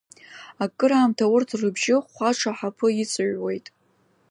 Акыраамҭа урҭ рыбжьы хәаҽ аҳаԥы иҵыҩуеит.